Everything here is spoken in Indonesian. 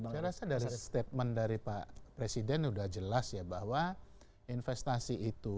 saya rasa dari statement dari pak presiden sudah jelas ya bahwa investasi itu